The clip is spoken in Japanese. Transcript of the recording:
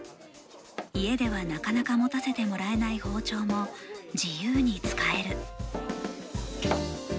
家では、なかなか持たせてもらえない包丁も自由に使える。